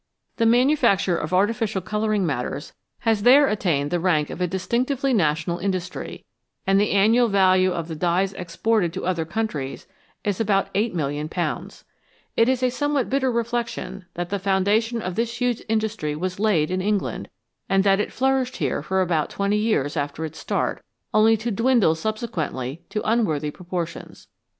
The manufacture of artificial colouring 286 VALUABLE SUBSTANCES matters has there attained the rank of a distinctively national industry, and the annual value of the dyes exported to other countries is about <8,000,000. It is a somewhat bitter reflection that the foundation of this huge industry was laid in England, and that it flourished here for about twenty years after its start, only to dwindle subsequently to unworthy proportions.